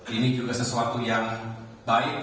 ini juga sesuatu yang baik